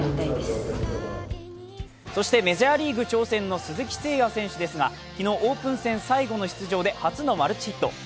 メジャーリーグ挑戦の鈴木誠也選手ですが昨日、オープン戦最後の出場で初のマルチヒット。